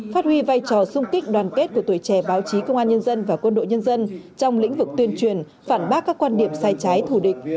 phát huy vai trò sung kích đoàn kết của tuổi trẻ báo chí công an nhân dân và quân đội nhân dân trong lĩnh vực tuyên truyền phản bác các quan điểm sai trái thủ địch